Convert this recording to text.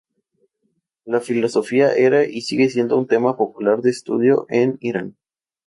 La filosofía era y sigue siendo un tema popular de estudio en Irán.